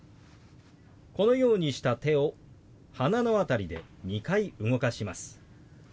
このようにした手を鼻の辺りで２回動かします。